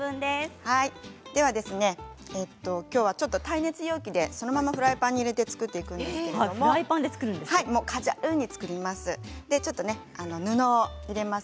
耐熱容器でそのままフライパンに入れて作っていくんですけれどもカジュアルに作ります。